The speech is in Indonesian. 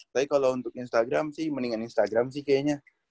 tapi kalau untuk instagram sih mendingan instagram sih kayaknya